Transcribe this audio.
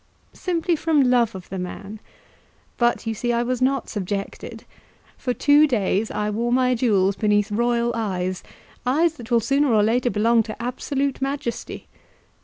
"Simply from love of the man. But you see I was not subjected. For two days I wore my jewels beneath royal eyes, eyes that will sooner or later belong to absolute majesty.